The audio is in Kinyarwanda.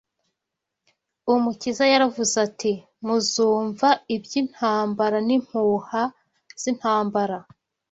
Umukiza yaravuze ati: Muzumva iby’intambara n’impuha z’intambara